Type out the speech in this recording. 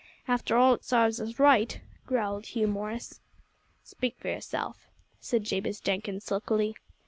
"After all it sarves us right," growled Hugh Morris. "Speak for yourself," said Jabez Jenkins sulkily.